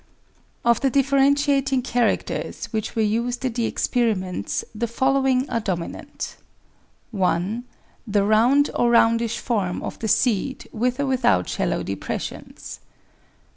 1 Of the differentiating characters which were used in the experi ments the following are dominant : 1. The round or roundish form of the seed with or without shallow depressions.